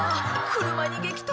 車に激突！